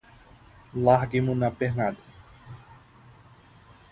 Larguemo na pernada!